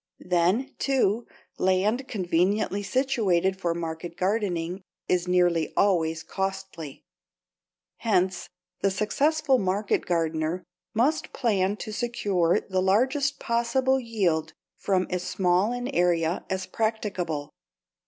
Then, too, land conveniently situated for market gardening is nearly always costly. Hence the successful market gardener must plan to secure the largest possible yield from as small an area as is practicable.